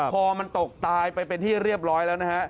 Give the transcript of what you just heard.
พอมันตกตายไปเป็นที่เรียบร้อยแล้วนะฮะ